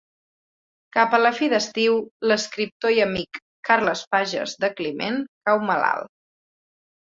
Cap a la fi d'estiu, l'escriptor i amic Carles Fages de Climent cau malalt.